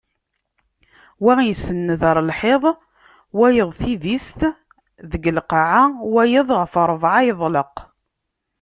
Wa isenned ɣer lḥiḍ wayeḍ tidist deg lqaɛa wayeḍ ɣef rebɛa yeḍleq.